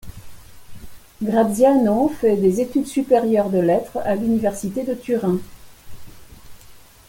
Graziano fait des études supérieures de lettres à l'université de Turin.